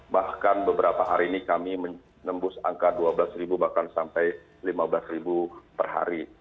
bahkan beberapa hari ini kami menembus angka dua belas bahkan sampai lima belas ribu per hari